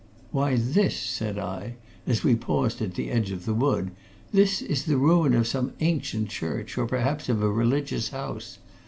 "Why this," said I, as we paused at the edge of the wood, "this is the ruin of some ancient church, or perhaps of a religious house!